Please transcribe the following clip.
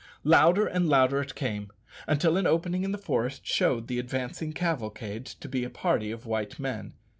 Louder and louder it came, until an opening in the forest showed the advancing cavalcade to be a party of white men.